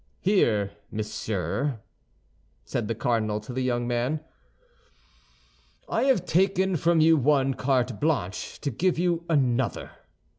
"Here, monsieur," said the cardinal to the young man. "I have taken from you one carte blanche to give you another.